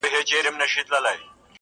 چي ډېوې یې بلولې نن له ملکه تښتېدلی -